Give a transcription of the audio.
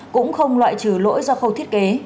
cũng không loại trừ lỗi do khâu thiết kế